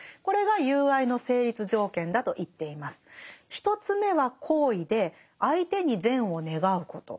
１つ目は好意で相手に善を願うこと。